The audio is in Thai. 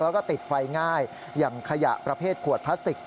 แล้วก็ติดไฟง่ายอย่างขยะประเภทขวดพลาสติก